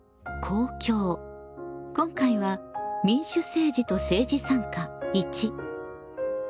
今回は「民主政治と政治参加①」。